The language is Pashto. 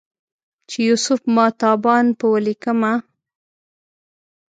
چې یوسف ماه تابان په ولیکمه